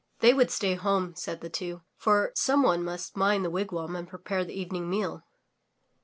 They would stay home said the two, for some one must mind the wigwam and prepare the eve ning meal.